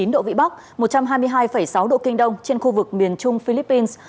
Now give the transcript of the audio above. độ vị bắc một trăm hai mươi hai sáu độ kinh đông trên khu vực miền trung philippines